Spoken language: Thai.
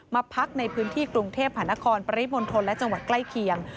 มาพักในพื้นที่กรุงเทพหานครปริมณฑลและจังหวัดใกล้เคียง